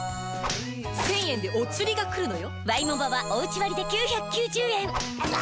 １０００円でお釣りがくるのよ！